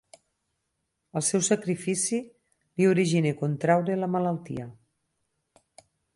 El seu sacrifici li origina contraure la malaltia.